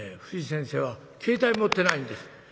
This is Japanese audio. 藤先生は携帯持ってないんです。